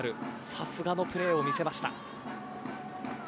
さすがのプレーを見せました。